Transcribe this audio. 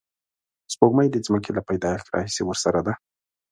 سپوږمۍ د ځمکې له پیدایښت راهیسې ورسره ده